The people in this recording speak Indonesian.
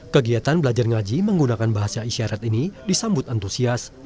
kegiatan belajar ngaji menggunakan bahasa isyarat ini disambut antusias